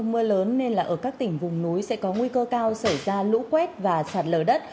mưa lớn nên là ở các tỉnh vùng núi sẽ có nguy cơ cao xảy ra lũ quét và sạt lở đất